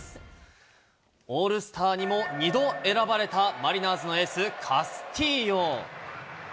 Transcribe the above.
オールスターにも２度選ばれたマリナーズのエース、カスティーヨ。